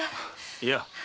いや。